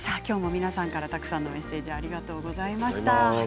皆さんからたくさんのメッセージありがとうございました。